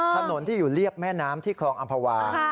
ถนนที่อยู่เรียบแม่น้ำที่คลองอำภาวา